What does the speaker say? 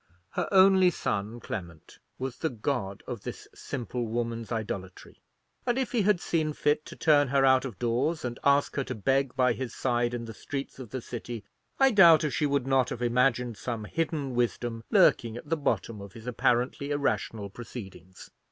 Her only son, Clement, was the god of this simple woman's idolatry; and if he had seen fit to turn her out of doors, and ask her to beg by his side in the streets of the city, I doubt if she would not have imagined some hidden wisdom lurking at the bottom of his apparently irrational proceedings.